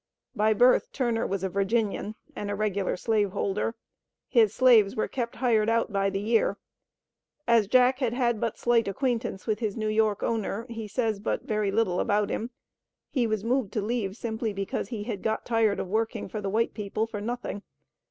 By birth, Turner was a Virginian, and a regular slave holder. His slaves were kept hired out by the year. As Jack had had but slight acquaintance with his New York owner, he says but very little about him. He was moved to leave simply because he had got tired of working for the "white people for nothing."